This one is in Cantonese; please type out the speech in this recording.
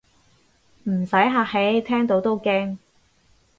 唔使客氣，聽到都驚